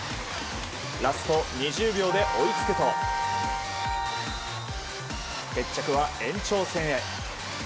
ラスト２０秒で追いつくと決着は延長戦へ。